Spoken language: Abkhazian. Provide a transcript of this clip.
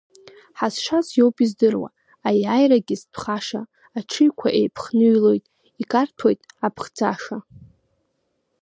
Ҳазшаз иоуп издыруа, аиааирагьы зтәхаша, аҽыҩқәа еиԥхныҩлоит, икарҭәоит аԥхӡаша.